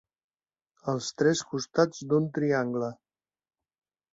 Els tres costats d'un triangle.